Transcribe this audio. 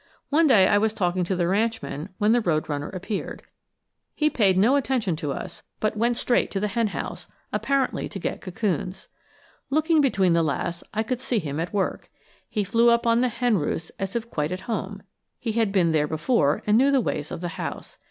One day I was talking to the ranchman when the road runner appeared. He paid no attention to us, but went straight to the hen house, apparently to get cocoons. Looking between the laths, I could see him at work. He flew up on the hen roosts as if quite at home; he had been there before and knew the ways of the house.